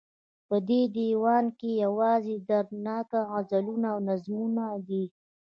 په دې ديوان کې يوازې دردناک غزلونه او نظمونه دي